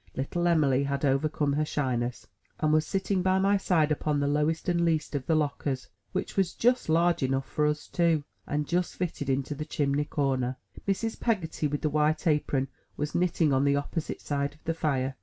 Little Em*ly had overcome her shyness, and was sitting by my side upon the lowest and least of the lockers, which was just large enough for us two, and just fitted into the chimney comer. Mrs. Peggotty with the white apron, was knitting on the opposite side of the fire.